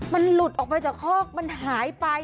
มันหลุดออกไปจากคอกมันหายไป